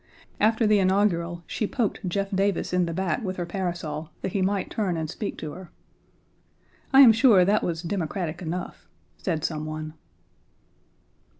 After the inaugural she poked Jeff Davis in the back with her parasol that he might turn and speak to her. "I am sure that was democratic enough," said some one.